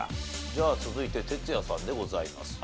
じゃあ続いてＴＥＴＳＵＹＡさんでございますね。